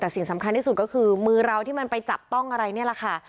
แต่สิ่งสำคัญที่สุดก็คือมือเราที่มันไปจับต้องอะไรนี่แหละค่ะ